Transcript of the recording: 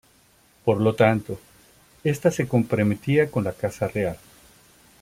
Por lo tanto, esta se comprometía con la Casa Real.